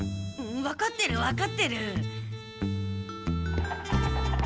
わかってるわかってる。